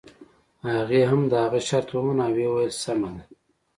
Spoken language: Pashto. هغې هم د هغه شرط ومانه او ويې ويل سمه ده.